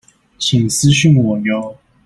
請私訊我唷